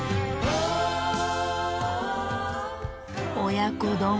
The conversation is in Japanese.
親子丼。